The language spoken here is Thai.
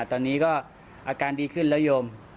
ตอนนี้ก็อาการดีขึ้นแล้วโยม